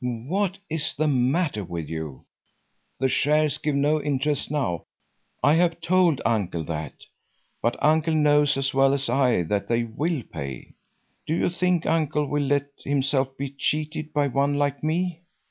"What is the matter with you? The shares give no interest now; I have told Uncle that; but Uncle knows as well as I that they will pay. Do you think Uncle will let himself be cheated by one like me?